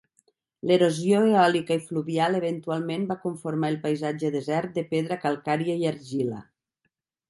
L'erosió eòlica i fluvial eventualment va conformar el paisatge desert de pedra calcària i argila.